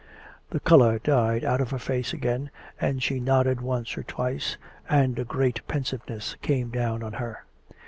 The colour died out of her face again and she nodded once or twice, and a great pensiveness came down on her.